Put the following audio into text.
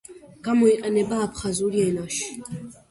გამოიყენება აფხაზურ ენაში.